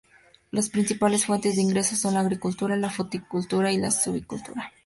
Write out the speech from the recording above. Las principales fuentes de ingresos son la agricultura, la fruticultura y la silvicultura.